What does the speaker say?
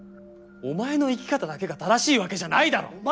お前の生き方だけが正しいわけじゃないだろ！